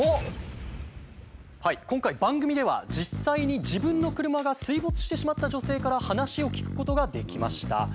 今回番組では実際に自分の車が水没してしまった女性から話を聞くことができました。